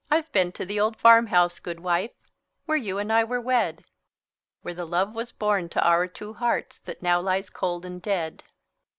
I've been to the old farm house, good wife, Where you and I were wed; Where the love was born to our two hearts That now lies cold and dead.